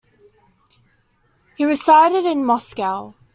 He resided in Moscow.